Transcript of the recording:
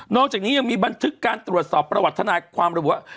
อกจากนี้ยังมีบันทึกการตรวจสอบประวัติธนายความระบุว่า